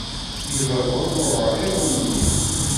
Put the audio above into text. Di lbabur uɛriḍ umli.